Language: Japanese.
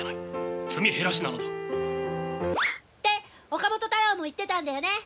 岡本太郎も言ってたんだよね！